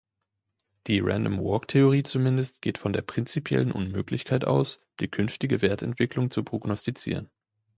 Die Random-Walk-Theorie zumindest geht von der prinzipiellen Unmöglichkeit aus, die künftige Wertentwicklung zu prognostizieren.